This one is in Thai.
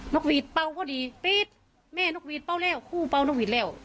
กหวีดเป่าก็ดีปี๊ดแม่นกหวีดเป้าแล้วคู่เป้านกหวีดแล้ว